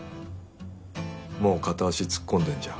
もう片足突っ込んでるじゃん。